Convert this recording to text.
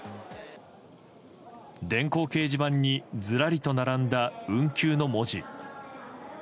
電光掲示板にずらりと並んだ「運休」の文字。